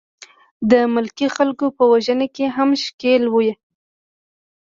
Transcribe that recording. د ملکي خلکو په وژنه کې هم ښکېل وې.